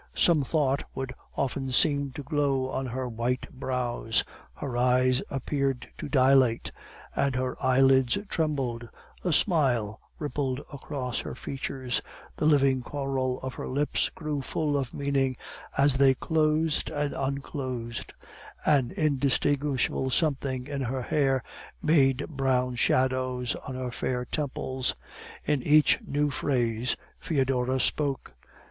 Some thought would often seem to glow on her white brows; her eyes appeared to dilate, and her eyelids trembled; a smile rippled over her features; the living coral of her lips grew full of meaning as they closed and unclosed; an indistinguishable something in her hair made brown shadows on her fair temples; in each new phase Foedora spoke.